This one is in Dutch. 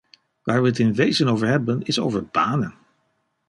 Waar we het in wezen over hebben is over banen.